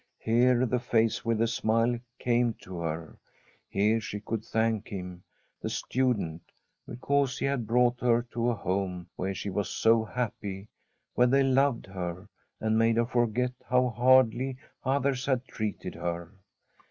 Here the face with the smile came to her. Here she could thank him, the student, be cause he had brought her to a home where she was so happy, where they loved her, and made her forget how hardly others had treated her.